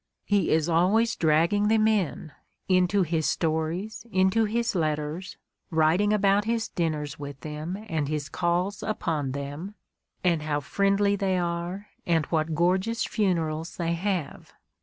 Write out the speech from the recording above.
He is always drag ging them in, into his stories, into his letters, writing about his dinners with them, and his calls upon them, and how friendly they are, and what gorgeous funerals they have.